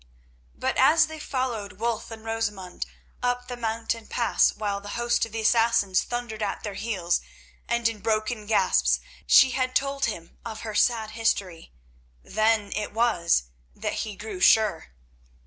But as they followed Wulf and Rosamund up the mountain pass while the host of the Assassins thundered at their heels, and in broken gasps she had told him of her sad history, then it was that he grew sure.